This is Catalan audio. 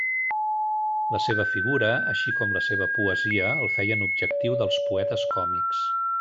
La seva figura així com la seva poesia el feien objectiu dels poetes còmics.